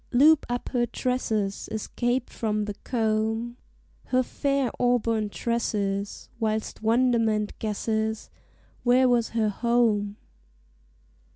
Loop up her tresses Escaped from the comb, Her fair auburn tresses, Whilst wonderment guesses Where was her home?